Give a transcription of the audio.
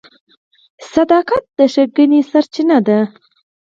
• صداقت د ښېګڼې سرچینه ده.